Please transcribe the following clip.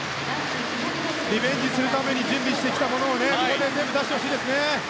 リベンジするために準備してきたものをここで全部出してほしいですね。